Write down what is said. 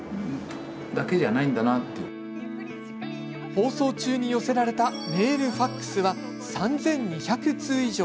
放送中に寄せられたメール、ファックスは３２００通以上。